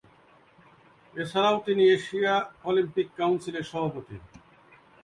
এছাড়াও তিনি Asia Olympic কাউন্সিলের সভাপতি।